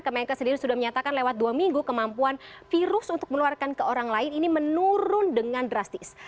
kemenkes sendiri sudah menyatakan lewat dua minggu kemampuan virus untuk menularkan ke orang lain ini menurun dengan drastis